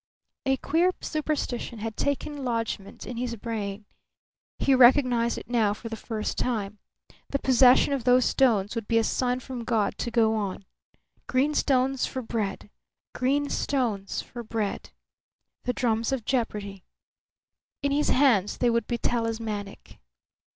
A queer superstition had taken lodgment in his brain; he recognized it now for the first time. The possession of those stones would be a sign from God to go on. Green stones for bread! Green stones for bread! The drums of jeopardy! In his hands they would be talismanic.